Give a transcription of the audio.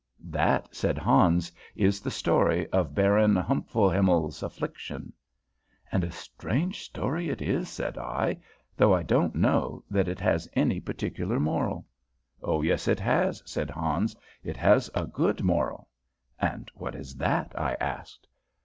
"That," said Hans, "is the story of Baron Humpfelhimmel's affliction." "And a strange story it is," said I. "Though I don't know that it has any particular moral." "Oh yes, it has!" said Hans. "It has a good moral." "And what is that?" I asked.